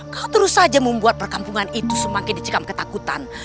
kau terus saja membuat perkampungan itu semakin dicikam ketakutan